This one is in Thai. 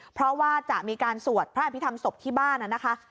เพราะว่าจะมีการสวดพระอภิษฐรรมศพที่บ้านนะคะ